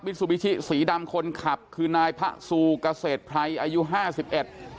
ซูบิชิสีดำคนขับคือนายพระซูเกษตรไพรอายุห้าสิบเอ็ด